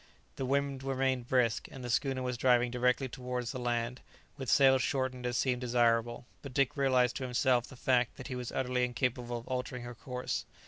The wind remained brisk, and the schooner was driving directly towards the land, with sails shortened as seemed desirable; but Dick realized to himself the fact that he was utterly incapable of altering her course.